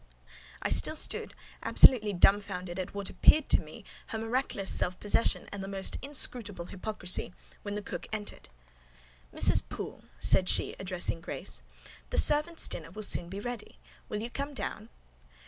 I still stood absolutely dumfoundered at what appeared to me her miraculous self possession and most inscrutable hypocrisy, when the cook entered. "Mrs. Poole," said she, addressing Grace, "the servants' dinner will soon be ready: will you come down?"